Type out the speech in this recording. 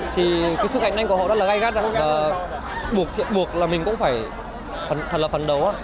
thì cái xuất cảnh của họ rất là gai gắt buộc là mình cũng phải thật là phấn đấu